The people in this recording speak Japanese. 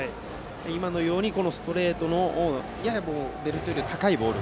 今のようにストレートややベルトよりは高いボール